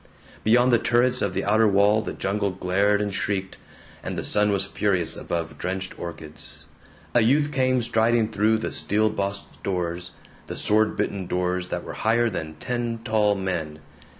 Beyond the turrets of the outer wall the jungle glared and shrieked, and the sun was furious above drenched orchids. A youth came striding through the steel bossed doors, the sword bitten doors that were higher than ten tall men.